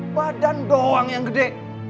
badan doang yang gede